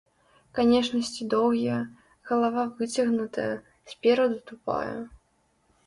Канечнасці доўгія, галава выцягнутая, спераду тупая.